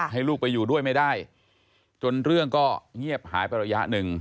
ให้ลูกไปอยู่ด้วยไม่ได้จนเรื่องก็เงียบหายไประยะหนึ่ง